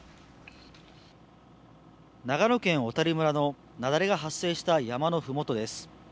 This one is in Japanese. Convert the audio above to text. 長野県小谷村の雪崩が発生した山のふもとです。